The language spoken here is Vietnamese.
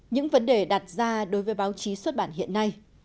những vấn đề đặt ra đối với báo chí xuất bản hiện nay